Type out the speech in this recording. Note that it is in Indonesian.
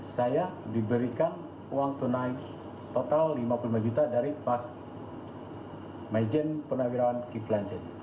saya diberikan uang tunai total rp lima puluh lima juta dari pak majen penawirawan kip lansin